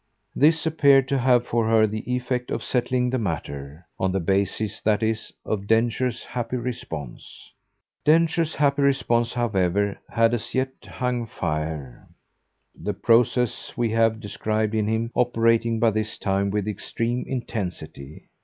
This appeared to have for her the effect of settling the matter on the basis, that is, of Densher's happy response. Densher's happy response, however, had as yet hung fire, the process we have described in him operating by this time with extreme intensity.